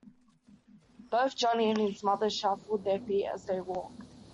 Both Johnny and his mother shuffled their feet as they walked.